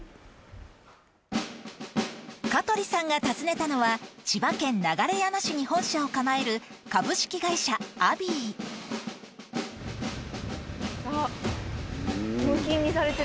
香取さんが訪ねたのは千葉県流山市に本社を構えるあっ無菌にされてる。